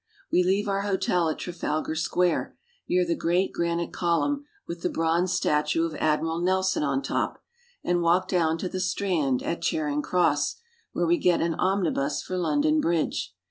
We leave our hotel at Trafal gar Square, near the great granite col umn with the bronze statue of Admiral Nelson on top, and walk down to the Strand at Charing Cross, where we get an omnibus for Lon don Bridge.